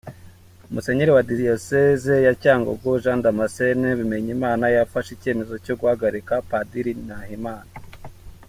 Musenyeri wa Diyoseze ya Cyangugu, Jean Damascène Bimenyimana yafashe icyemezo cyo guhagarika Padiri Nahimana.